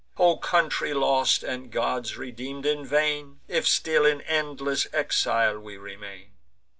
O country lost, and gods redeem'd in vain, If still in endless exile we remain!